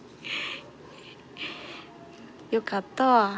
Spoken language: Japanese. よかったわ。